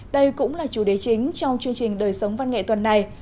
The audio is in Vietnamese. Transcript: đây cũng là chủ đề chính trong chương trình đời sống văn nghệ tuần này